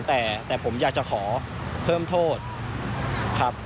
แต่ผมอยากจะขอเพิ่มโทษครับ